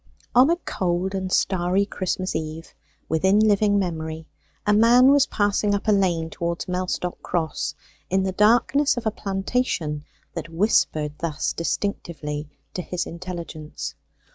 On a cold and starry Christmas eve within living memory a man was passing up a lane towards Mellstock Cross in the darkness of a plantation that whispered thus distinctively to his intelligence.